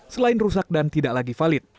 selain rusak dan tidak lagi valid